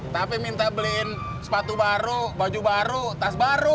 tapi minta beliin sepatu baru baju baru tas baru